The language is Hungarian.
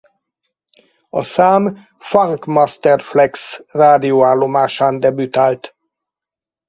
A szám Funk Master Flex rádióállomásán debütált.